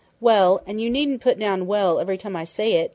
Well and you needn't put down 'well' every time I say it!"